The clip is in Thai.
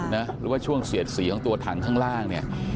หรือว่าช่วงเสียดสีของสีของตัวถังข้างล่าง